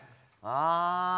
あぁ。